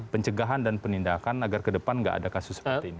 pencegahan dan penindakan agar ke depan nggak ada kasus seperti ini